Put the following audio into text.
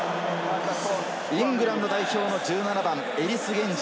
イングランド代表の１７番エリス・ゲンジ。